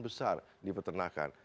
besar di pertanakan